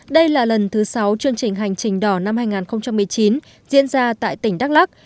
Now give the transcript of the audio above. đây là lần thứ sáu chương trình hành trình đỏ năm hai nghìn một mươi chín diễn ra tại tỉnh đắk lắc